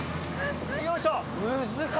よいしょ。